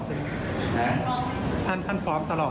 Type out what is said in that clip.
ผมพร้อมถ้าหมอน่ากลิ่นฉีดฉีดเลย